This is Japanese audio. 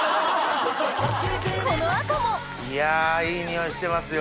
この後もいやいい匂いしてますよ！